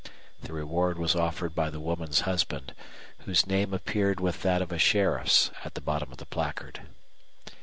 The reward was offered by the woman's husband, whose name appeared with that of a sheriff's at the bottom of the placard.